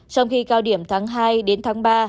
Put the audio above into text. trong khi cao điểm tháng hai đến tháng ba